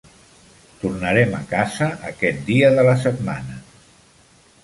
Tornarem a casa aquest dia de la setmana.